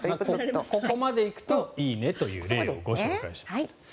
ここまで行くと、いいねという例をご紹介しました。